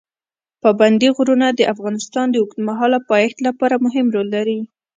پابندی غرونه د افغانستان د اوږدمهاله پایښت لپاره مهم رول لري.